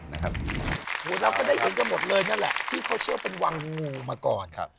เราก็ได้เห็นกันหมดเลยนั่นแหละที่เขาเชื่อเป็นวังงูมาก่อน